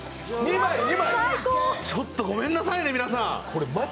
ちょっとごめんなさいね、皆さん。